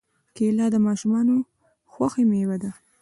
کېله د ماشومانو خوښې مېوه ده.